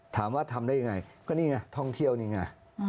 ทำได้ยังไงก็นี่ไงท่องเที่ยวนี่ไง